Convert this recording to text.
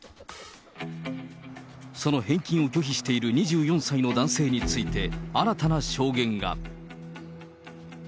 その返金を拒否している２４歳の男性について、新たな証言が。